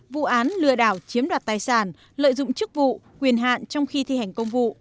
vụ án lừa đảo chiếm đoạt tài sản lợi dụng chức vụ quyền hạn trong khi thi hành công vụ